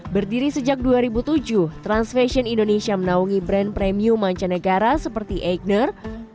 berdiri sejak dua ribu tujuh trans fashion indonesia menaungi brand premium mancanegara seperti eikner